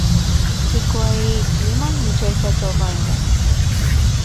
Սիգուայեի կլիման միջերկրածովային է։